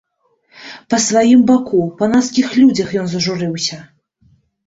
Па сваім баку, па наскіх людзях ён зажурыўся.